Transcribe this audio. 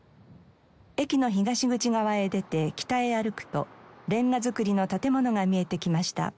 駅の東口側へ出て北へ歩くとレンガ造りの建物が見えてきました。